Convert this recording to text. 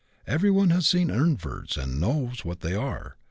Everyone has seen inverts and knows what they are.